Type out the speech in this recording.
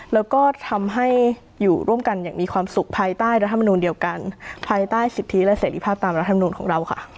แล้วก็ทำให้อยู่ร่วมกันอย่างมีความสุขภายใต้รัฐมนูลเดียวกันภายใต้สิทธิและเสรีภาพตามรัฐมนุนของเราค่ะ